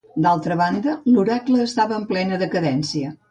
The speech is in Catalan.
D'altra banda, l'oracle estava en plena decadència.